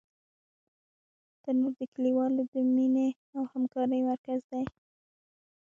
تنور د کلیوالو د مینې او همکارۍ مرکز دی